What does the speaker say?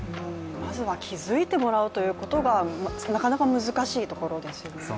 まずは気付いてもらうということがなかなか難しいところですよね。